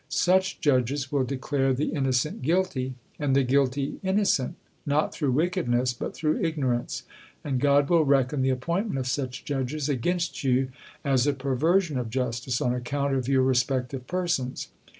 Such judges will declare the innocent guilty and the guilty innocent, not through wickedness, but through ignorance; and God will reckon the appointment of such judges against you, as a perversion of justice, on account of your respect of persons.